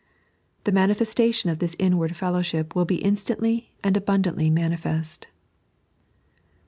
The manifestation of this inward fellowship wiU be instantly and abundantly manifest.